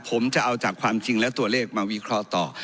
ผมจะเอาจากความจริงและตัวเลขมาวิเคราะห์ต่อ